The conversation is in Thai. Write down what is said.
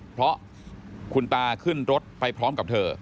เพราะคุณตาขึ้นรถไปพร้อมกับเธอ